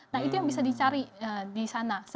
nah itu yang bisa dicari di sana